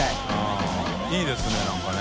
Δいいですね何かね。